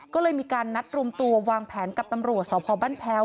ก็เลยมีการนัดรวมตัววางแผนกับตำรวจสพบ้านแพ้ว